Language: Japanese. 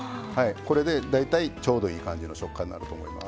これで大体ちょうどいい感じの食感になると思います。